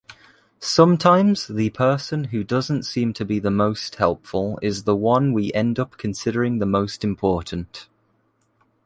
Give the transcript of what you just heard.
Sometimes the person who doesn't seem to be the most helpful is the one we end up considering the most important.